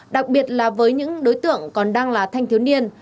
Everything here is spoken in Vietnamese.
đặc biệt là với những đối tượng còn đang là thanh thiếu niên